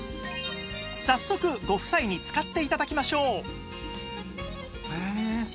早速ご夫妻に使って頂きましょう